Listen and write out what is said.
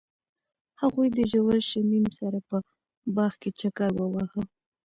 هغوی د ژور شمیم سره په باغ کې چکر وواهه.